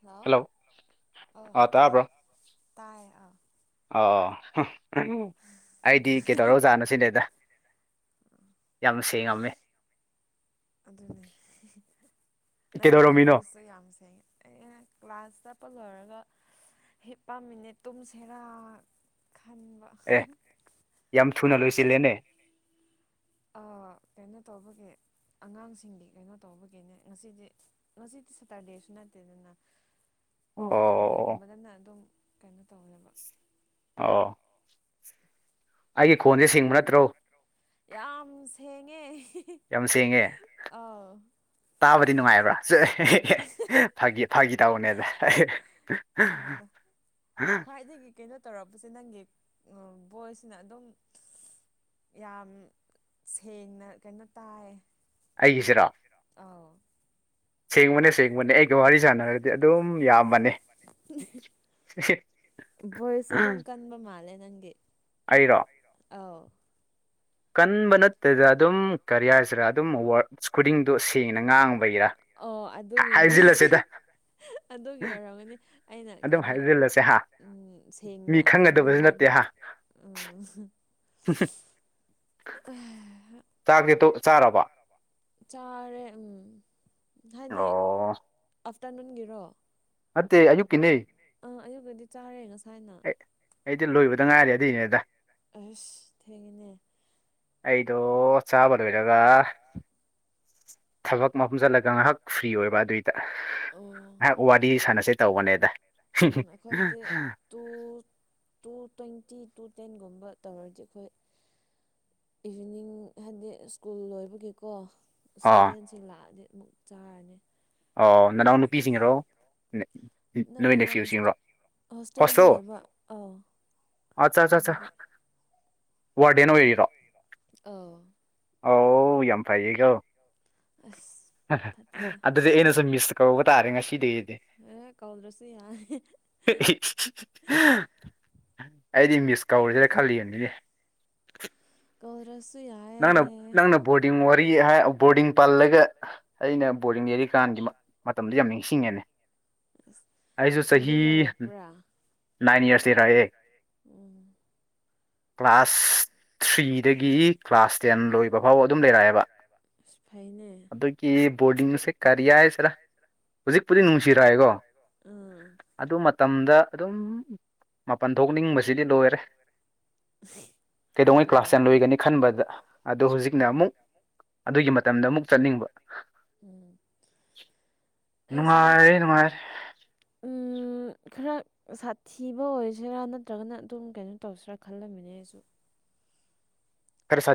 Hello ꯑ ꯇꯥꯏ ꯇꯥꯕ꯭ꯔꯣ ꯇꯥꯏ ꯑꯥ ꯑꯣ ꯑꯣ [unintelligible] ꯑꯩꯗꯤ ꯀꯩꯗꯧꯔꯕꯖꯥꯠꯅꯣ ꯁꯤꯅꯤꯗ ꯌꯥꯝꯅ ꯁꯦꯡꯉꯝꯃꯦ ꯑꯗꯨꯅꯦ ꯅꯪꯒꯤ [unintelligible] ꯚꯣꯏꯁꯁꯨ ꯌꯥꯝ ꯁꯦꯡꯉꯦ ꯑꯦ ꯀ꯭ꯂꯥꯁ ꯆꯠꯄ ꯂꯣꯏꯔꯒ ꯍꯤꯞ ꯄꯝꯃꯤꯅꯦ ꯇꯨꯝꯁꯤꯔꯥ ꯈꯟꯕꯥ ꯑꯦ ꯌꯥꯝ ꯊꯨꯅ ꯂꯣꯏꯁꯤꯜꯂꯦꯅꯦ ꯑ ꯀꯩꯅꯣ ꯇꯧꯕꯒꯤ ꯑꯉꯥꯡꯁꯤꯡꯒꯤ ꯀꯩꯅꯣ ꯇꯧꯕꯒꯤꯅꯦ ꯉꯁꯤꯗꯤ ꯉꯁꯤ ꯁꯥꯇ꯭ꯔꯗꯦꯁꯨ ꯅꯠꯇꯦꯗꯅꯥ ꯁꯇꯔꯗꯦꯒꯨꯝꯕꯗꯅ ꯑꯗꯨꯝ ꯀꯩꯅꯣ ꯇꯧꯋꯦꯕ ꯑꯣ ꯑꯩꯒꯤ ꯈꯣꯟꯁꯦ ꯁꯦꯡꯕ ꯅꯠꯇ꯭ꯔꯣ ꯌꯥꯝ ꯁꯦꯡꯉꯦ ꯌꯥꯝ ꯁꯦꯡꯉꯦ ꯑꯥ ꯇꯥꯕꯗꯤ ꯅꯨꯡꯉꯥꯏꯕ꯭ꯔꯥ [unintelligible] ꯐꯒꯤ ꯐꯥꯒꯤ ꯇꯧꯕꯅꯦꯗ [unintelligible] ꯉꯁꯥꯏꯗꯒꯤ ꯀꯩꯅꯣ ꯇꯧꯔꯛꯄꯁꯦ ꯅꯪꯒꯤ ꯕꯣꯏꯁꯅ ꯑꯗꯨꯝ ꯌꯥꯝ ꯁꯦꯡꯅ ꯀꯩꯅꯣ ꯇꯥꯏ ꯑꯩꯒꯤꯁꯤꯔꯣ ꯑꯥꯎ ꯁꯦꯡꯕꯅꯦ ꯁꯦꯡꯕꯅꯦ ꯑꯩꯒ ꯋꯥꯔꯤ ꯁꯥꯟꯅꯔꯗꯤ ꯑꯗꯨꯝ ꯌꯥꯝꯕꯅꯤ ꯕꯣꯏꯁꯨ ꯑꯗꯨꯝ ꯀꯟꯕ ꯃꯥꯜꯂꯦ ꯅꯪꯒꯤ ꯑꯩꯔꯣ ꯑꯩꯔꯣ ꯑꯥꯎ ꯀꯟꯕ ꯅꯠꯇꯦꯗ ꯑꯗꯨꯝ ꯀꯔꯤ ꯍꯥꯏꯁꯤꯔ ꯑꯗꯨꯝ ꯋꯥꯔꯠ ꯈꯨꯗꯤꯡꯗꯣ ꯁꯦꯡꯅ ꯉꯥꯡꯕꯒꯤꯔꯥ ꯍꯥꯏꯖꯤꯜꯂꯁꯤꯗ ꯑꯗꯨꯝ ꯍꯥꯏꯖꯤꯜꯂꯁꯦ ꯍꯥ ꯎꯝ ꯁꯦꯡꯅ ꯀꯩꯅꯣ ꯍꯥꯏꯕꯒꯤ ꯎꯝ [unintelligible] [unintelligible] ꯆꯥꯛꯇꯤ ꯇꯣꯛ ꯆꯥꯔꯕꯣ ꯆꯥꯔꯦ ꯎꯝ ꯍꯥꯏꯗꯤ ꯑꯥꯞꯇꯔꯅꯨꯟꯒꯤꯔꯣ ꯑꯥ ꯑꯌꯨꯛꯇꯗꯤ ꯆꯥꯔꯦ ꯉꯁꯥꯏꯅ ꯑꯩꯗꯤ ꯂꯣꯏꯕꯗ ꯉꯥꯏꯔꯤ ꯑꯗꯨꯏꯅꯦꯗ ꯑꯁ ꯊꯦꯡꯒꯤꯅꯦ ꯑꯩꯗꯣ ꯆꯥꯕ ꯂꯣꯏꯔꯒ ꯊꯕꯛ ꯃꯐꯝ ꯆꯠꯂꯒ ꯉꯥꯏꯍꯥꯛ ꯐ꯭ꯔꯤ ꯑꯣꯏꯕ ꯑꯗꯨꯏꯗ ꯉꯥꯏꯍꯥꯛ ꯋꯥ ꯔꯤ ꯁꯥꯟꯅꯁꯦ ꯇꯧꯕꯅꯦꯗ [unintelligible] ꯇꯨ ꯇꯨ ꯇ꯭ꯋꯦꯟꯇꯤ ꯇꯨ ꯇꯦꯟꯒꯨꯝꯕ ꯇꯧꯔꯗꯤ ꯑꯩꯈꯣꯏ ꯏꯚꯤꯅꯤꯡ ꯍꯥꯏꯟꯗꯤ ꯁ꯭ꯀꯨꯜ ꯂꯣꯏꯕꯒꯤꯀꯣ ꯏꯁꯇꯨꯗꯦꯟꯁ ꯁꯤ ꯂꯥꯛꯑꯗꯤ ꯑꯃꯨꯛ ꯆꯥꯔꯅꯤ ꯑꯣ ꯅꯅꯥꯎꯅꯨꯄꯤꯁꯤꯡꯅꯔꯣ ꯎꯝ ꯅꯣꯏꯅ ꯐ꯭ꯌꯨ ꯁꯦꯝꯕ꯭ꯔꯣ ꯍꯣꯁꯇꯦꯜ ꯑꯠꯆꯥ ꯆꯥꯆꯥ ꯋꯥꯔꯗꯦꯟ ꯑꯣꯏꯔꯤꯔꯣ ꯑꯧ ꯌꯥꯝ ꯐꯩꯌꯦꯀꯣ ꯑꯁ ꯐꯠꯇꯦꯗ ꯑꯗꯨꯗꯤ ꯑꯩꯅꯁꯨ ꯃꯤꯁ ꯀꯧꯕ ꯇꯥꯔꯦ ꯉꯁꯤꯗꯤ ꯑꯩꯗꯤ ꯑꯩꯗꯤ ꯃꯤꯁ ꯀꯧꯔꯖꯤꯔ ꯈꯜꯂꯤꯝꯅꯤꯅꯦ ꯀꯧꯔ꯭ꯁ ꯅꯪꯅ ꯅꯪꯅ ꯕꯣꯔꯗꯤꯡ ꯋꯥꯔꯤ ꯍꯥꯏ ꯕꯣꯔꯗꯤꯡ ꯄꯜꯂꯒ ꯑꯩꯅ ꯕꯣꯔꯗꯤꯡ ꯂꯩꯔꯤꯀꯥꯟꯒꯤ ꯃꯛ ꯃꯇꯝꯗꯨ ꯌꯥꯝ ꯅꯤꯡꯁꯤꯡꯉꯦꯅꯦ ꯑꯩꯖꯨ ꯆꯍꯤ ꯅꯥꯏꯟ ꯏꯌ꯭ꯔꯁ ꯂꯩꯔꯛꯑꯦ ꯀ꯭ꯂꯥꯁ ꯊ꯭ꯔꯤꯗꯒꯤ ꯀ꯭ꯂꯥꯁ ꯇꯦꯟ ꯂꯣꯏꯕꯐꯥꯎ ꯑꯗꯨꯝ ꯂꯩꯔꯛꯑꯦꯕ ꯑꯗꯨꯒꯤ ꯕꯣꯔꯗꯤꯡꯁꯦ ꯀꯔꯤ ꯍꯥꯏꯁꯤꯔꯥ ꯍꯧꯖꯤꯛꯄꯨꯗꯤ ꯅꯨꯡꯁꯤꯔꯛꯑꯦꯀꯣ ꯑꯗꯨ ꯃꯇꯝꯗ ꯑꯗꯨꯝ ꯃꯥꯄꯟ ꯊꯣꯛꯅꯤꯡꯕ ꯖꯤꯗꯤ ꯂꯣꯏꯔꯦ ꯀꯩꯗꯧꯉꯩ ꯀ꯭ꯂꯥꯁ ꯇꯦꯟ ꯂꯣꯏꯒꯅꯤ ꯈꯟꯕꯗ ꯑꯗꯣ ꯍꯧꯖꯤꯛꯅ ꯑꯃꯨꯛ ꯑꯗꯨꯒꯤ ꯃꯇꯝꯗ ꯑꯃꯨꯛ ꯆꯠꯅꯤꯡꯕ ꯅꯨꯡꯉꯥꯏꯔꯦ ꯅꯨꯡꯉꯥꯏꯔꯦ ꯎꯝ ꯈꯔ ꯁꯥꯊꯤꯕ ꯑꯣꯏꯁꯤꯔꯥ ꯅꯠꯇ꯭ꯔꯒꯅ ꯑꯗꯨꯝ ꯀꯩꯅꯣ ꯇꯧꯁꯤꯔꯥ ꯈꯜꯂꯝꯃꯤꯅꯦ ꯑꯩꯁꯨ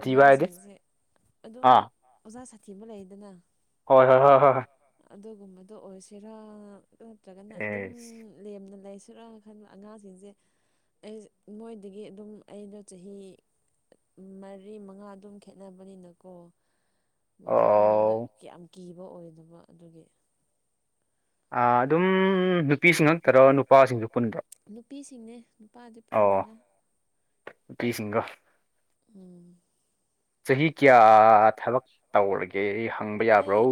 ꯑꯉꯥꯡꯁꯤꯡꯁꯦ ꯑꯗꯨꯝ ꯑꯣꯖꯥ ꯁꯥꯊꯤꯕ ꯂꯩꯗꯅ ꯍꯣꯏ ꯍꯣꯏ ꯍꯣꯏ ꯍꯣꯏ ꯍꯣꯏ ꯑꯗꯨꯒꯨꯝꯕꯗꯣ ꯑꯣꯏꯁꯤꯔꯥ ꯅꯠꯇ꯭ꯔꯒꯅ ꯑꯗꯨꯝ ꯂꯦꯝꯅ ꯂꯩꯁꯤꯔꯥ ꯈꯟꯕ ꯑꯉꯥꯡꯁꯤꯡꯁꯦ ꯑꯩ ꯃꯣꯏꯗꯒꯤ ꯑꯗꯨꯝ ꯑꯩꯗꯣ ꯆꯍꯤ ꯃ ꯃꯔꯤ ꯃꯉꯥ ꯑꯗꯨꯝ ꯈꯦꯠꯅꯕꯅꯤꯅꯀꯣ ꯃꯣꯏꯖꯦ ꯑꯩꯉꯣꯟꯗ ꯀꯌꯥꯝ ꯀꯤꯕ ꯑꯣꯏꯗꯕ ꯑꯗꯨꯒꯤ ꯑꯥ ꯑꯗꯨꯝ ꯅꯨꯄꯤꯁꯤꯡ ꯉꯛꯇꯔꯣ ꯅꯨꯄꯥꯁꯤꯡꯁꯨ ꯄꯨꯟꯕ꯭ꯔꯣ ꯅꯨꯄꯤꯁꯤꯡꯅꯦ ꯅꯨꯄꯥꯗꯤ ꯄꯨꯟꯗꯦꯗ ꯅꯨꯄꯤꯁꯤꯡꯒꯣ ꯎꯝ ꯆꯍꯤ ꯀꯌꯥ ꯊꯕꯛ ꯇꯧꯔꯒꯦ ꯍꯪꯕ ꯌꯥꯕ꯭ꯔꯣ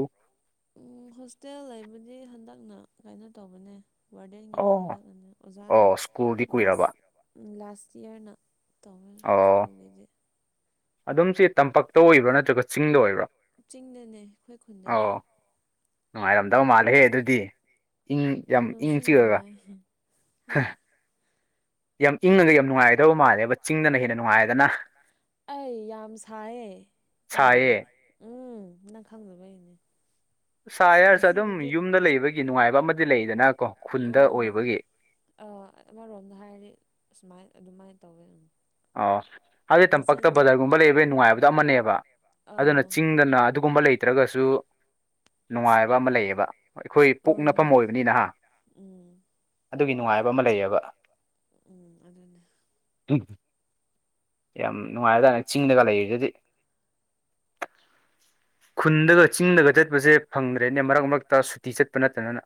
ꯎꯝ ꯍꯣꯁꯇꯦꯜ ꯂꯩꯕꯗꯤ ꯍꯟꯗꯛꯅ ꯀꯩꯅꯣ ꯇꯧꯕꯅꯦ ꯋꯥꯔꯗꯦꯟꯒꯤꯗꯤ ꯍꯟꯗꯛꯅꯅ ꯑꯣꯖꯥꯅ ꯂꯥꯁ ꯂꯥꯁ ꯏꯌ꯭ꯔꯅ ꯇꯧꯔꯒ ꯁ꯭ꯀꯨꯜꯒꯤꯗꯤ ꯑꯗꯨꯝ ꯆꯦꯠ ꯇꯝꯄꯛꯇ ꯑꯣꯏꯕ꯭ꯔꯥ ꯅꯠꯇ꯭ꯔꯒ ꯆꯤꯡꯗ ꯑꯣꯏꯕ꯭ꯔꯣ ꯑꯧ ꯅꯨꯡꯉꯥꯏꯔꯝ ꯇꯧ ꯃꯥꯜꯂꯦꯍꯦ ꯑꯗꯨꯗꯤ ꯏꯪ ꯌꯥꯝ ꯏꯪ ꯆꯤꯛꯑꯒ ꯌꯥꯝ ꯏꯪꯅ ꯂꯩꯔꯝ ꯅꯨꯡꯉꯥꯏꯒꯗꯕ ꯃꯜꯂꯦꯕ ꯆꯤꯡꯗꯅ ꯍꯦꯟꯅ ꯅꯨꯡꯉꯥꯏꯔꯦꯗꯅ ꯑꯩ ꯌꯥꯝ ꯁꯥꯏꯌꯦ ꯀꯥꯏꯗꯒꯤ ꯎꯝ ꯅꯪ ꯈꯪꯗꯕꯩꯅꯦ ꯁꯥꯏ ꯍꯥꯏꯔꯁꯨ ꯑꯗꯨꯝ ꯌꯨꯝꯗ ꯂꯩꯕꯒꯤ ꯅꯨꯡꯉꯥꯏꯕ ꯑꯃꯗꯤ ꯂꯩꯗꯅꯀꯣ ꯈꯨꯜꯗ ꯑꯣꯏꯕꯒꯤ ꯑꯧ ꯑꯃꯔꯣꯝꯗ ꯍꯥꯏꯔꯗꯤ ꯑꯁꯨꯃꯥꯏ ꯑꯗꯨꯃꯥꯏ ꯇꯧꯋꯦ ꯎꯝ ꯑꯧꯁ ꯍꯥꯏꯕꯗꯤ ꯇꯝꯄꯛꯇ ꯕꯖꯥꯔꯒꯨꯝꯕ ꯂꯩꯕꯩ ꯅꯨꯡꯉꯥꯏꯕꯗꯣ ꯑꯃꯅꯦꯕ ꯑꯗꯨꯅ ꯆꯤꯡꯗꯅ ꯑꯗꯨꯒꯨꯝꯕ ꯂꯩꯇ꯭ꯔꯒꯁꯨ ꯅꯨꯡꯉꯥꯏꯕ ꯑꯃ ꯂꯩꯑꯦꯕ ꯑꯩꯈꯣꯏ ꯄꯣꯛꯅꯐꯝ ꯑꯣꯏꯕꯅꯤꯅ ꯍꯥ ꯑꯗꯨꯒꯤ ꯅꯨꯡꯉꯥꯏꯕ ꯑꯃ ꯂꯩꯌꯦꯕ ꯎꯝ ꯑꯗꯨꯅꯦ [unintelligible] ꯌꯥꯝ ꯅꯨꯡꯉꯥꯏꯔꯖꯥꯅꯤ ꯆꯤꯡꯗꯒ ꯂꯩꯔꯤꯗꯨꯗꯤ ꯈꯨꯟꯗꯒ ꯆꯤꯡꯗꯒ ꯆꯠꯄꯖꯦ ꯐꯪꯗ꯭ꯔꯦꯅꯦ ꯃꯔꯛ ꯃꯔꯛꯇ ꯁꯨꯇꯤ ꯆꯠꯄ ꯅꯠꯇꯅꯅ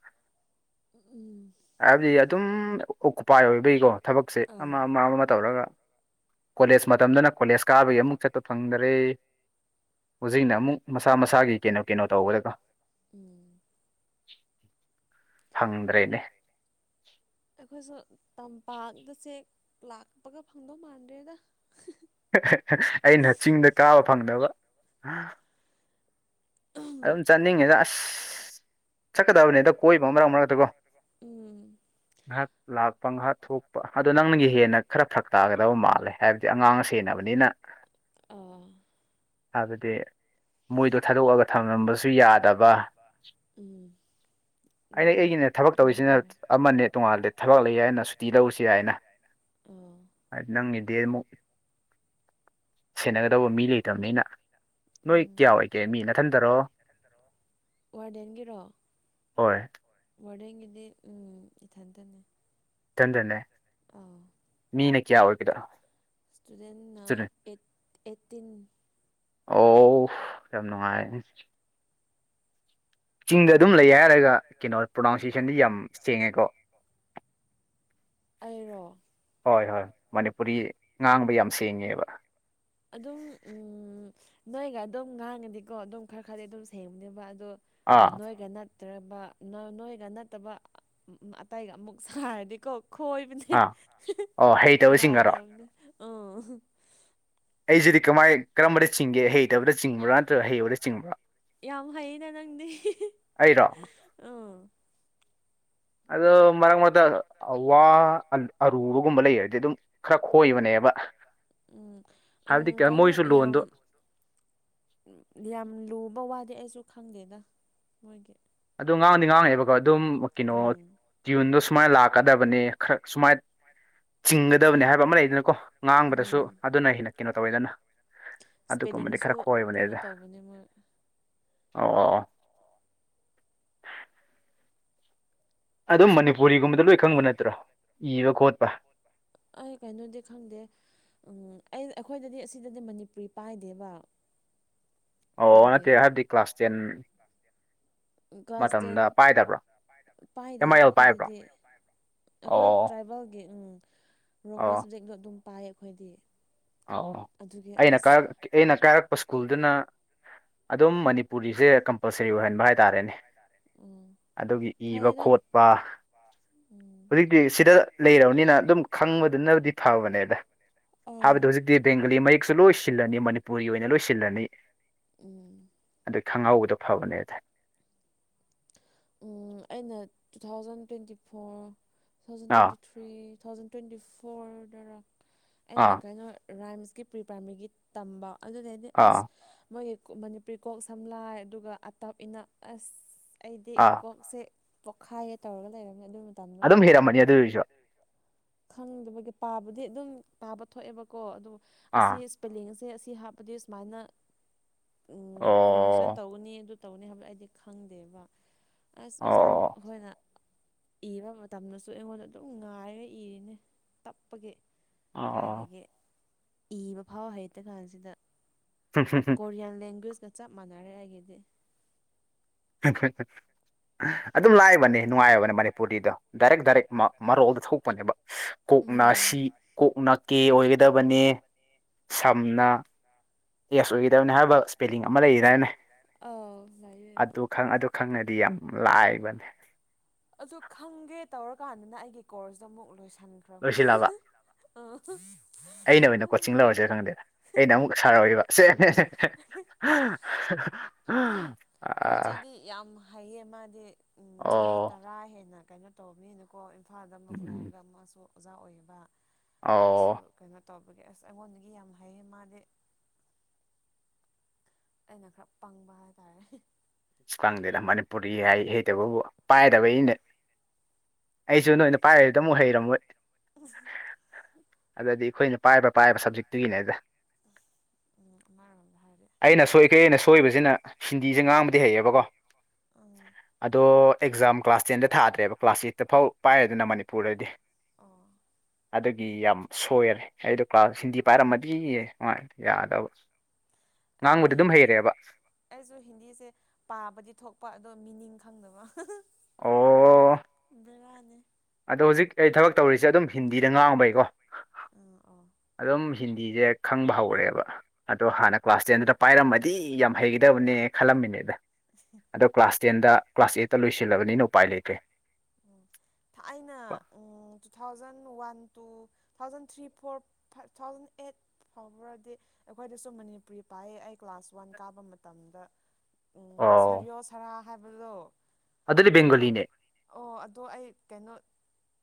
ꯎꯝ ꯎꯝ ꯍꯥꯏꯕꯗꯤ ꯑꯗꯨꯝ ꯑꯣꯀꯨꯄꯥꯏ ꯑꯣꯏꯕꯒꯤꯀꯣ ꯊꯕꯛꯁꯦ ꯑꯃ ꯑꯃ ꯑꯃ ꯇꯧꯔꯒ ꯀꯣꯂꯦꯖ ꯃꯇꯝꯗꯅ ꯀꯣꯂꯦꯖ ꯀꯥꯕꯒꯤ ꯑꯃꯨꯛ ꯆꯠꯄ ꯐꯪꯗꯔꯦ ꯍꯧꯖꯤꯛꯅ ꯑꯃꯨꯛ ꯃꯁꯥ ꯃꯁꯥꯒꯤ ꯀꯩꯅꯣ ꯀꯩꯅꯣ ꯇꯧꯒꯔꯦꯒ ꯐꯪꯗ꯭ꯔꯦꯅꯦ ꯑꯩꯈꯣꯏꯁꯨ ꯇꯝꯄꯥꯛꯇ ꯆꯦꯛ ꯂꯥꯛꯄꯒ ꯐꯪꯗꯧ ꯃꯥꯟꯗ꯭ꯔꯦꯗ ꯑꯩꯅ ꯆꯤꯡꯗ ꯀꯥꯕ ꯐꯪꯗꯕ ꯑꯗꯨꯝ ꯆꯠꯅꯤꯡꯉꯤꯗ ꯑꯁ ꯆꯠꯀꯗꯕꯅꯤ ꯑꯗꫭ ꯀꯣꯏꯕ ꯃꯔꯛ ꯃꯔꯛꯇꯀꯣ ꯉꯥꯏꯍꯥꯛ ꯂꯥꯛꯄ ꯉꯥꯏꯍꯥꯛ ꯊꯣꯛꯄ ꯑꯗꯣ ꯅꯪꯅ ꯍꯦꯟꯅ ꯈꯔ ꯐꯛ ꯇꯥꯒꯗꯕ ꯃꯥꯜꯂꯦ ꯍꯥꯏꯕꯗꯤ ꯑꯉꯥꯡ ꯁꯦꯟꯅꯕꯅꯤꯅ ꯑꯥ ꯍꯥꯏꯕꯗꯤ ꯃꯣꯏꯗꯣ ꯊꯥꯗꯣꯛꯑꯒ ꯊꯝꯂꯝꯕꯁꯨ ꯌꯥꯗꯕ ꯑꯩꯅ ꯑꯩꯒꯤꯅ ꯊꯕꯛ ꯇꯧꯔꯤꯁꯤꯅ ꯑꯃꯅꯦ ꯇꯣꯡꯉꯥꯜꯂꯦ ꯊꯕꯛ ꯂꯩ ꯍꯥꯏꯅ ꯁꯨꯇꯤ ꯂꯧꯔꯁꯨ ꯌꯥꯏꯅ ꯍꯥꯏ ꯅꯪꯒꯤꯗꯤ ꯑꯃꯨꯛ ꯁꯦꯟꯅꯒꯗꯧꯕ ꯃꯤ ꯂꯩꯇꯕꯅꯤꯅ ꯅꯣꯏ ꯀꯌꯥ ꯑꯣꯏꯒꯦ ꯃꯤꯅ ꯇꯔꯣ ꯍꯣꯏ ꯋꯥꯔꯦꯡꯒꯤꯗꯤ ꯎꯝ ꯏꯊꯟꯇꯅꯦ ꯏꯊꯟꯗꯅꯦ ꯃꯤꯅ ꯀꯌꯥ ꯑꯣꯏꯒꯗꯣ ꯏꯁꯇꯨꯗꯦꯟꯅ ꯑꯦꯠ ꯑꯦꯠꯇꯤꯟ ꯑꯣ ꯌꯥꯝ ꯅꯨꯡꯉꯥꯏ ꯆꯤꯡꯗ ꯑꯗꯨꯝ ꯂꯩꯌꯦ ꯍꯥꯏꯔꯒ ꯀꯩꯅꯣ ꯄ꯭ꯔꯣꯅꯥꯎꯟꯁꯤꯌꯦꯁꯟꯗꯤ ꯌꯥꯝ ꯁꯦꯡꯉꯦꯀꯣ ꯑꯩꯔꯣ ꯍꯣꯏ ꯍꯣꯏ ꯃꯅꯤꯄꯨꯔꯤ ꯉꯥꯡꯕ ꯌꯥꯝ ꯁꯦꯡꯉꯦꯕ ꯑꯗꯨꯝ ꯎꯝ ꯅꯣꯏꯒ ꯑꯗꯨꯝ ꯉꯥꯡꯉꯗꯤꯀꯣ ꯑꯗꯨꯝ ꯈꯔ ꯈꯔꯗꯤ ꯑꯗꯨꯝ ꯁꯦꯡꯕꯅꯦꯕ ꯑꯗꯣ ꯅꯣꯏꯒꯅꯠ ꯅꯠꯇ꯭ꯔꯕ ꯅꯣꯏꯒ ꯅꯠꯇꯕ ꯑꯇꯩꯒ ꯑꯃꯨꯛ ꯁꯥꯔꯗꯤꯀꯣ ꯈꯣꯏ ꯕꯅꯦ ꯌꯥꯗꯕꯅꯦ ꯎꯝ ꯑꯩꯁꯤꯗꯤ ꯀꯃꯥꯏ ꯀꯔꯝꯕꯗ ꯆꯤꯡꯒꯦ ꯍꯩꯇꯕꯗ ꯆꯤꯡꯕ꯭ꯔꯥ ꯅꯠꯇ꯭ꯔꯒ ꯍꯩꯕꯗ ꯆꯤꯡꯕ꯭ꯔꯥ ꯅꯅꯪꯗꯤ ꯎꯝ ꯑꯗꯣ ꯃꯔꯛ ꯃꯔꯛꯇ ꯋꯥ ꯑꯔꯨ ꯑꯔꯨꯕꯒꯨꯝꯕ ꯂꯩꯋꯣ ꯑꯩꯗꯤꯗꯨꯝ ꯈꯔ ꯈꯣꯏꯕꯅꯦꯕ ꯍꯥꯏꯕꯗꯤ ꯀꯩꯝ ꯃꯣꯏꯁꯨ ꯂꯣꯟꯗꯣ ꯎꯝ ꯌꯥꯝ ꯂꯨꯕ ꯋꯥꯗꯤ ꯑꯩꯁꯨ ꯈꯪꯗꯦꯗ ꯃꯣꯏꯒꯤ ꯑꯗꯣ ꯉꯥꯡꯉꯗꯤ ꯉꯥꯡꯉꯛꯑꯦꯕꯀꯣ ꯑꯗꯨꯝ ꯀꯩꯅꯣ ꯇ꯭ꯌꯨꯟꯗꯣ ꯁꯨꯃꯥꯏ ꯂꯥꯛꯀꯗꯕꯅꯤ ꯈꯔ ꯁꯨꯃꯥꯏ ꯆꯤꯡꯒꯗꯕꯅꯦ ꯍꯥꯏꯕ ꯑꯃ ꯂꯩꯗꯅꯀꯣ ꯉꯥꯡꯕꯗꯁꯨ ꯑꯗꯨꯅ ꯍꯦꯟꯅ ꯀꯩꯅꯣ ꯇꯧꯋꯦꯗꯅ ꯑꯗꯨꯒꯨꯝꯕꯗꯤ ꯈꯔ ꯈꯣꯏꯕꯅꯦꯗ ꯑꯣ ꯑꯗꯨꯝ ꯃꯅꯤꯄꯨꯔꯤꯒꯨꯝꯕꯗ ꯂꯣꯏ ꯈꯪꯕ ꯅꯠꯇ꯭ꯔꯣ ꯏꯕ ꯈꯣꯠꯄ꯫ ꯑꯩ ꯀꯩꯅꯣꯗꯤ ꯈꯪꯗꯦ ꯎꯝ ꯑꯩ ꯑꯩꯈꯣꯏꯗꯗꯤ ꯑꯁꯤꯗꯗꯤ ꯃꯅꯤꯄꯨꯔꯤ ꯄꯥꯏꯗꯦꯕ ꯑꯣ ꯅꯠꯇꯦ ꯍꯥꯏꯕꯗꯤ ꯀ꯭ꯂꯥꯁ ꯇꯦꯟ ꯃꯇꯝꯗ ꯄꯥꯏꯗꯕ꯭ꯔꫭ ꯄꯥꯏꯗꯦ ꯑꯩꯈꯣꯏꯗꯗꯤ ꯑꯩꯈꯣꯏ ꯇ꯭ꯔꯥꯏꯕꯦꯜꯒꯤ ꯎꯝ ꯔꯣꯡꯃꯩ ꯁꯕꯖꯦꯛꯇꯣ ꯑꯗꯨꯝ ꯄꯥꯏꯑ ꯑꯩꯈꯣꯏꯗꯤ ꯑꯧ ꯑꯩꯅ ꯀꯔꯛ ꯑꯩꯅ ꯀꯥꯔꯛꯄ ꯏꯁ꯭ꯀꯨꯜꯗꯨꯅ ꯑꯗꯨꯝ ꯃꯅꯤꯄꯨꯔꯤꯁꯦ ꯀꯝꯄꯜꯁꯔꯤ ꯑꯣꯏꯍꯟꯕ ꯍꯥꯏꯇꯥꯔꯦꯅꯦ ꯑꯗꯨꯒꯤ ꯏꯕ ꯈꯣꯠ ꯄ ꯍꯧꯖꯤꯛꯇꯤ ꯁꯤꯗ ꯂꯩꯔꯕꯅꯤꯅ ꯑꯗꯨꯝ ꯈꯪꯕꯗꯨꯅꯗꯤ ꯐꯕꯅꯦꯗ ꯍꯥꯏꯕꯗꯤ ꯍꯧꯖꯤꯛꯇꯤ ꯕꯦꯡꯒꯂꯤ ꯃꯌꯦꯛꯁꯨ ꯂꯣꯏ ꯁꯤꯜꯂꯅꯤ ꯃꯅꯤꯄꯨꯔꯤ ꯑꯣꯏꯅ ꯂꯣꯏ ꯁꯤꯜꯂꯅꯤ ꯎꯝ ꯑꯗꯨ ꯈꯪꯍꯧꯕꯗꯣ ꯐꯕꯅꯦꯗ ꯎꯝ ꯑꯩꯅ two thousand twenty four two thousand twenty three two thousand twenty ꯐꯣꯔꯗꯔ ꯑꯩꯅ ꯀꯩꯅꯣ ꯔꯥꯏꯝꯁꯀꯤ ꯄ꯭ꯔꯤ ꯄ꯭ꯔꯥꯏꯃꯔꯤꯒꯤ ꯇꯝꯕ ꯑꯗꯨꯗꯩꯗꯤ ꯑꯁ ꯃꯣꯏꯒꯤ ꯃꯅꯤꯄꯨꯔꯤ ꯀꯣꯛ ꯁꯝꯂꯥꯏ ꯑꯗꯨꯒ ꯑꯥꯇꯞ ꯏꯅꯞ ꯑꯁ ꯑꯩꯗꯤ ꯀꯣꯛꯁꯦ ꯄꯣꯛꯈꯥꯏꯌꯦ ꯇꯧꯔꯒ ꯂꯩꯔꯝꯃꯦ ꯑꯗꯨ ꯑꯗꯨꯝ ꯍꯤꯔꯃꯅꯤ ꯑꯗꯨꯏꯁꯨ ꯈꯪꯗꯕꯒꯤ ꯄꯥꯕꯗꯤ ꯑꯗꯨꯝ ꯄꯥꯕ ꯊꯣꯛꯑꯦꯕꯀꯣ ꯑꯗꯣ ꯑꯁꯤ ꯄꯂꯦꯡ ꯑꯁꯦ ꯑꯁꯤ ꯍꯥꯞꯄꯗꯤ ꯁꯨꯃꯥꯏꯅ ꯎꯝ ꯄꯨꯔꯥꯁꯟ ꯇꯧꯅꯤ ꯑꯗꯨ ꯇꯧꯅꯤ ꯍꯥꯏꯕꯗꯣ ꯑꯩꯗꯤ ꯈꯪꯗꯦꯕ ꯑꯁ ꯑꯣꯖꯥ ꯍꯣꯏꯅ ꯏꯕ ꯃꯇꯝꯗꯁꯨ ꯑꯩꯉꯣꯟꯗ ꯑꯗꯨꯝ ꯉꯥꯏꯔ ꯏꯔꯤꯅꯤ ꯇꯞꯄꯒꯤ ꯀꯥꯏꯗꯒꯤ ꯏꯕ ꯐꯥꯎ ꯍꯩꯇ ꯀꯥꯟꯁꯤꯗ [unintelligible] ꯀꯣꯔꯤꯌꯥꯟ ꯂꯦꯡꯒ꯭ꯋꯦꯖꯀ ꯆꯞ ꯃꯥꯟꯅꯔꯦ ꯑꯩꯒꯤꯗꯤ [unintelligible] ꯑꯗꯨꯝ ꯂꯥꯏꯕꯅꯦ ꯅꯨꯡꯉꯥꯏꯕꯅꯦ ꯃꯅꯤꯄꯨꯔꯤꯗꯣ ꯗꯥꯏꯔꯦꯛ ꯗꯥꯏꯔꯦꯛ ꯃ ꯃꯔꯣꯜꯗ ꯊꯣꯛꯄꯅꯦꯕ ꯀꯣꯛꯅ ꯁꯤ ꯀꯣꯛꯅ ꯀꯦ ꯑꯣꯏꯒꯗꯕꯅꯦ ꯁꯝꯅ ꯑꯦꯁ ꯑꯣꯏꯒꯗꯕꯅꯤ ꯍꯥꯏꯕ ꯏꯁꯄꯦꯂꯤꯡ ꯑꯃ ꯂꯩꯒꯤꯗꯥꯏꯅꯦ ꯑꯗꯨ ꯈꯪ ꯑꯗꯨ ꯈꯪꯉꯗꯤ ꯌꯥꯝ ꯂꯥꯏꯕꯅꯦ ꯑꯗꯨ ꯈꯪꯒꯦ ꯇꯧꯔꯀꯥꯟꯗꯅ ꯑꯩꯒꯤ ꯀꯣꯔꯁꯇꯣ ꯑꯃꯨꯛ ꯂꯣꯏꯁꯤꯟꯈ꯭ꯔꯕ [unintelligible] ꯑꯩꯅ ꯑꯣꯏꯅ ꯀꯣꯆꯤꯡ ꯂꯧꯔꯖꯤꯔ ꯈꯪꯗꯦ ꯑꯩꯅ ꯑꯃꯨꯛ ꯁꯥꯔ ꯑꯣꯏꯔꯕ ꯁꯦ [unintelligible] ꯌꯥꯝ ꯍꯩꯌꯦ ꯃꯥꯗꯤ ꯎꯝ ꯆꯍꯤ ꯇꯔꯥ ꯍꯦꯟꯅ ꯀꯩꯅꯣ ꯇꯧꯕꯅꯤꯅꯀꯣ ꯏꯝꯐꯥꯜꯗ ꯑꯃꯨꯛ ꯂꯩꯔꯒ ꯃꯥꯁꯨ ꯑꯣꯖꯥ ꯑꯣꯏꯌꯦꯕ ꯃꯥꯁꯨ ꯀꯩꯅꯣ ꯇꯧꯕꯒꯤ ꯑꯁ ꯑꯩꯉꯣꯟꯗꯒꯤ ꯌꯥꯝ ꯍꯩꯌꯦ ꯃꯥꯗꯤ ꯑꯩꯅ ꯈꯔ ꯄꯪꯕ ꯍꯥꯏꯇꯥꯔꯦ ꯈꯪꯗꯦꯗ ꯃꯅꯤꯄꯨꯔꯤ ꯍꯩ ꯍꯩꯇꯕꯕꯨ ꯄꯥꯏꯗꯕꯩꯅꯤꯗ ꯑꯩꯁꯨ ꯅꯣꯏꯅ ꯄꯥꯏꯔꯤꯗꯨꯃꯨꯛ ꯍꯩꯔꯝꯃꯣꯏ ꯑꯗꯨꯗꯗꯤ ꯑꯩꯈꯣꯏꯅ ꯄꯥꯏꯕ ꯄꯥꯏꯕ ꯁꯕꯖꯦꯛꯇꯨꯒꯤꯅꯦꯗ ꯎꯝ ꯑꯃꯔꯣꯝꯗ ꯍꯥꯏꯔꯦ ꯑꯩꯅ ꯁꯣꯏꯈ꯭ꯔꯦꯅ ꯁꯣꯏꯕꯖꯤꯅ ꯍꯤꯟꯗꯤꯖꯦ ꯉꯥꯡꯕ [unintelligible] ꯑꯗꯣ ꯑꯦꯛꯖꯥꯝ ꯀ꯭ꯂꯥꯁ ꯇꯦꯟꯗ ꯊꯥꯗ꯭ꯔꯦꯕ ꯀ꯭ꯂꯥꯁ ꯑꯩꯠꯇ ꯐꯥꯎ ꯄꯥꯏꯔꯦꯗꯅ ꯃꯅꯤꯄꯨꯔꯗꯗꯤ ꯑꯗꯨꯒꯤ ꯌꯥꯝ ꯁꯣꯏꯒꯔꯦ ꯑꯩꯗꯣ ꯀ꯭ꯂꯥꯁ ꯍꯤꯟꯗꯤ ꯄꯥꯏꯔꯝꯃꯗꯤ ꯉꯣꯏ ꯌꯥꯗꯧꯕ꯫ ꯑꯩꯅꯥ ꯍꯤꯟꯗꯤ ꯑꯩꯁꯨ ꯍꯤꯟꯗꯤꯁꯦ ꯄꯥꯕꯗꯤ ꯊꯣꯛꯄ ꯑꯗꯣ ꯃꯤꯅꯤꯡ ꯈꯪꯗꯕ [unintelligible] ꯑꯣ ꯕꯦꯔꯥꯅꯦ ꯑꯗꯣ ꯍꯧꯖꯤꯛ ꯑꯩ ꯊꯕꯛ ꯇꯧꯔꯤꯁꯦ ꯑꯗꯨꯝ ꯍꯤꯟꯗꯤꯗ ꯉꯥꯡꯕꯩꯀꯣ ꯎꯝ ꯑꯣ ꯑꯗꯨꯝ ꯍꯤꯟꯗꯤꯖꯦ ꯈꯪꯕ ꯍꯧꯔꯦꯕ ꯑꯗꯣ ꯍꯥꯟꯅ ꯀ꯭ꯂꯥꯁ ꯇꯦꯟꯗꯨꯗ ꯄꯥꯏꯔꯝꯃꯗꯤ ꯌꯥꯝ ꯍꯩꯒꯗꯕꯅꯦ ꯈꯜꯂꯝꯃꯤꯅꯤꯗ [inaudible] ꯑꯗꯣ ꯀ꯭ꯂꯥꯁ ꯇꯦꯟꯗ ꯀ꯭ꯂꯥꯁ ꯑꯦꯠꯇ ꯂꯣꯏꯁꯤꯜꯂꯕꯅꯤꯅ ꯎꯄꯥꯏ ꯂꯩꯇ꯭ꯔꯦ꯫ ꯑꯣ ꯊꯥꯏꯅ um two thousand one two thousand three four five thousand eight ꯐꯥꯎꯕ꯭ꯔꯗꯤ ꯑꯩꯈꯣꯏꯗꯁꯨ ꯃꯅꯤꯄꯨꯔꯤ ꯄꯥꯏꯌꯦ ꯑꯩ ꯀ꯭ꯂꯥꯁ ꯋꯥꯟ ꯀꯥꯕ ꯃꯇꯝꯗ꯫ ꯎꯝ ꯁꯔꯤꯌꯣ ꯁꯥꯔꯥ ꯍꯥꯏꯕꯗꯣ ꯑꯗꯨ [unintelligible] ꯑꯣ ꯑꯗꯣ ꯑꯩ ꯀꯩꯅꯣ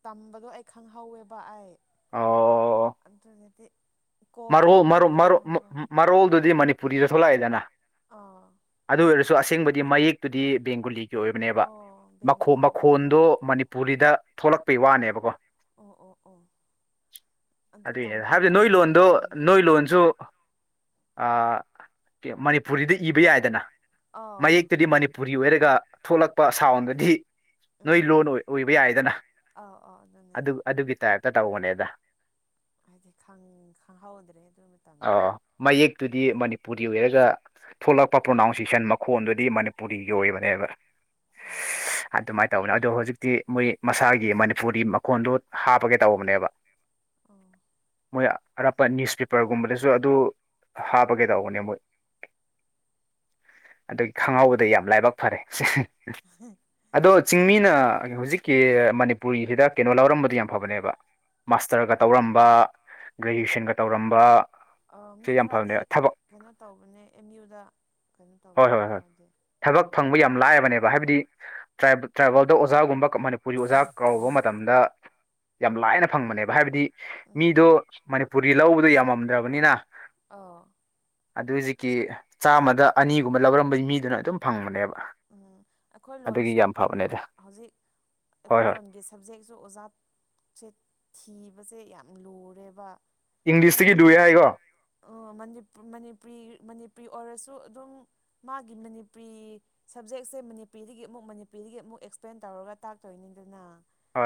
ꯇꯝꯕꯗꯣ ꯑꯩ ꯈꯪꯍꯧꯋꯦꯕ ꯑꯩ꯫ ꯑꫭ ꯑꯗꯨꯅꯗꯤ ꯃꯔꯣꯜ ꯃꯔ ꯃꯔꯣꯜꯗꯨꯗꯤ ꯃꯅꯤꯄꯨꯔꯤꯗ ꯊꯣꯛꯂꯛꯑꯦꯗꯅ ꯑꯥ ꯑꯗꯨ ꯑꯣꯏꯔꯁꯨ ꯑꯁꯦꯡꯕꯗꯤ ꯃꯌꯦꯛꯇꯨꯗꯤ ꯕꯦꯡꯒꯨꯂꯤꯒꯤ ꯑꯣꯏꯕꯅꯦꯕ꯫ ꯃꯈꫭ ꯃꯈꯣꯟꯗꯣ ꯃꯅꯤꯄꯨꯔꯤꯗ ꯊꯣꯛꯂꯛꯄꯩ ꯋꯥꯅꯦꯕꯀꯣ ꯑꯣ ꯑꯣ ꯑꯣ ꯑꯗꯨ ꯇꯝꯕ [unintelligible] ꯃꯇꯝꯗꯨꯗꯤ꯫ ꯑꯗꫭ ꯅꫭꯏ ꯂꫭꯟꯁꯨ ꯑꯥ ꯃꯅꯤ ꯃꯅꯤꯄꯨꯔꯤꯗ ꯏꯕ ꯌꯥꯏꯗꯅ ꯃꯌꯦꯛꯇꯗꯤ ꯃꯅꯤꯄꯨꯔꯤ ꯑꯣꯏꯔꯒ ꯊꯣꯛꯂꯛꯄ ꯁꯥꯎꯟꯗꯨꯗꯤ ꯅꯣꯏ ꯂꯣꯟ ꯑꯣꯏꯕ ꯌꯥꯏꯗꯅ ꯑꯗꯨ ꯑꯗꯨꯒꯤ ꯇꯥꯏꯞꯇ ꯇꯧꯕꯅꯦꯗ ꯍꯥꯏꯗꯤ ꯈꯪꯍꯧꯗ꯭ꯔꯦ ꯑꯗꯨ ꯑꯥ ꯃꯌꯦꯛꯇꯨꯗꯤ ꯃꯅꯤꯄꯨꯔꯤ ꯑꯣꯏꯔꯒ ꯊꯣꯛꯂꯛꯄ ꯄ꯭ꯔꯣꯅꯥꯎꯟꯁꯤꯌꯦꯁꯟ ꯃꯈꯣꯟꯗꯨꯗꯤ ꯃꯅꯤꯄꯨꯔꯤꯒꯤ ꯑꯣꯏꯕꯅꯦꯕ ꯑꯗꯨꯃꯥꯏꯅ ꯇꯧꯕꯅꯦ ꯑꯗꯣ ꯍꯧꯖꯤꯛꯇꯤ ꯃꯣꯏ ꯃꯁꯥꯒꯤ ꯃꯅꯤꯄꯨꯔꯤ ꯃꯈꯣꯟꯗꯣ ꯍꯥꯞꯄꯒꯦ ꯇꯧꯕꯅꯦꯕ ꯑꫭ ꯃꯣꯏ ꯑꯔꯥꯞꯄ ꯅꯤꯌꯨꯁꯄꯦꯄꯔꯒꯨꯝꯕꯗꯁꯨ ꯑꯗꯨ ꯍꯥꯞꯕꯒꯦ ꯇꯧꯕꯅꯦ ꯃꯣꯏ ꯑꯗꯨꯒꯤ ꯈꯪꯍꯧꯕꯗ ꯌꯥꯝ ꯂꯥꯏꯕꯛ ꯐꯔꯦ ꯑꯗꯣ ꯆꯤꯡꯃꯤꯅ ꯍꯧꯖꯤꯛꯀꯤ ꯃꯅꯤꯄꯨꯔꯒꯤꯍꯤꯗ ꯀꯩꯅꯣ ꯂꯧꯔꯝꯕꯗꯤ ꯌꯥꯝ ꯐꯕꯅꯦꯕ꯫ ꯃꯥꯁꯇꯔꯒ ꯇꯧꯔꯝꯕ꯫ ꯒ꯭ꯔꯦꯖꯨꯌꯦꯁꯟꯒ ꯇꯧꯔꯝꯕ ꯃꯤ ꯈꯔꯗꯤ ꯀꯩꯅꯣ ꯇꯧꯕꯅꯦ ꯑꯦꯝ ꯌꯨꯗ ꯀꯩꯅꯣ ꯇꯧꯕꯅꯦ ꯈꯔꯗꯤ ꯊꯕꯛ ꯐꯪꯕ ꯌꯥꯝ ꯂꯥꯏꯕꯅꯦꯕ ꯍꯥꯏꯕꯗꯤ ꯇ꯭ꯔꯥꯏꯕꯦꯜꯗ ꯑꯣꯖꯥꯒꯨꯝꯕ ꯃꯅꯤꯄꯨꯔꯤ ꯑꯣꯖꯥ ꯀꯧꯕ ꯃꯇꯝꯗ ꯌꯥꯝ ꯂꯥꯏꯅ ꯐꯪꯕꯅꯦꯕ ꯍꯥꯏꯕꯗꯤ ꯃꯤꯗꯣ ꯃꯅꯤꯄꯨꯔꯤ ꯂꯧꯕꯗꯣ ꯌꯥꯝꯃꯝꯗ꯭ꯔꯕꯅꯤꯅ ꯑꯗꯨ ꯍꯧꯖꯤꯛꯀꯤ ꯆꯥꯝꯃꯗ ꯑꯅꯤꯒꯨꯝꯕ ꯂꯧꯔꯝꯕꯩ ꯃꯤꯗꯨꯅ ꯑꯗꯨꯝ ꯐꯪꯕꯅꯦꯕ꯫ ꯎꯝ ꯑꯩꯈꯣꯏ ꯂꯣꯟꯁꯨ ꯀꯩꯅꯣ ꯍꯧꯖꯤꯛ ꯑꯩꯈꯣꯏ ꯂꯣꯟꯒꯤ ꯁꯕꯖꯦꯛꯖꯨ ꯑꯣꯖꯥ ꯁꯦ ꯊꯤꯕꯁꯦ ꯌꯥꯝ ꯂꯨꯔꯦꯕ꯫ ꯍꯥꯏ ꯑꯣ ꯃꯅꯤꯄꯨ ꯃꯅꯤꯄꯨꯔꯤ ꯑꯣꯏꯔꯁꯨ ꯑꯗꯨꯝ ꯃꯥꯒꯤ ꯃꯅꯤꯄꯨꯔꯤ ꯁꯞꯖꯦꯛꯁꯦ ꯃꯅꯤꯄꯨꯔꯤꯗꯒꯤ ꯑꯃꯨꯛ ꯃꯅꯤꯄꯨꯔꯤꯗꯒꯤ ꯑꯃꯨꯛ ꯑꯦꯛꯁꯄ꯭ꯂꯦꯟ ꯇꯧꯔꯒ ꯇꯥꯛꯇꯣꯏꯅꯤꯗꯅ